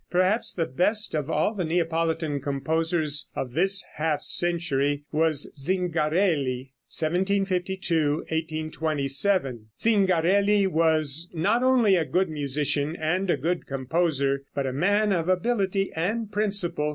Perhaps the best of all the Neapolitan composers of this half century was Zingarelli (1752 1827). Zingarelli was not only a good musician and a good composer, but a man of ability and principle.